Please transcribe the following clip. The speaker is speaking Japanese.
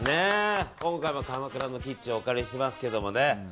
今回も鎌倉のキッチンをお借りしてますけどね。